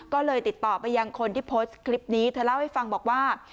ก็เลยติดต่อไปยังคนที่โพสต์คลิปนี้เธอเล่าให้ฟังบอกว่า